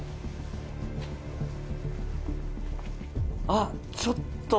あっちょっと。